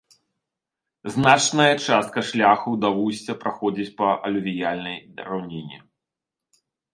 Значная частка шляху да вусця праходзіць па алювіяльнай раўніне.